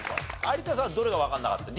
有田さんどれがわかんなかった？